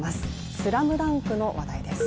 「ＳＬＡＭＤＵＮＫ」の話題です。